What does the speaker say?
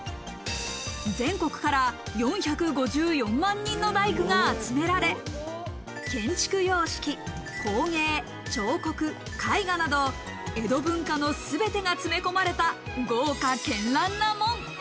全国から４５４万人の大工が集められ、建築様式、工芸、彫刻、絵画など江戸文化のすべてが詰め込まれた豪華絢爛な門。